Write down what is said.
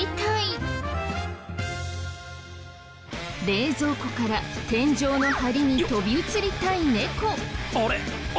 冷蔵庫から天井の梁に飛び移りたい猫。